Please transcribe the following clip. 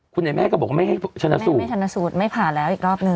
คุณไอ้แม่ก็บอกว่าไม่ให้ชนะสูตรไม่ชนะสูตรไม่ผ่าแล้วอีกรอบนึ